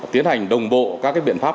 tiến hành đồng bộ các biện pháp